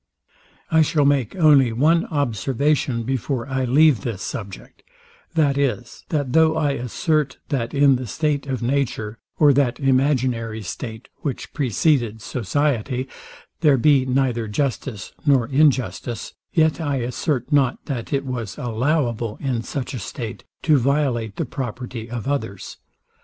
I shall make only one observation before I leave this subject, viz, that though I assert, that in the state of nature, or that imaginary state, which preceded society, there be neither justice nor injustice, yet I assert not, that it was allowable, in such a state, to violate the property of others.